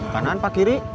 kanan apa kiri